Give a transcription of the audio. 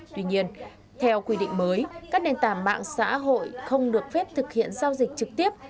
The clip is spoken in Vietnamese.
tuy nhiên theo quy định mới các nền tảng mạng xã hội không được phép thực hiện giao dịch trực tiếp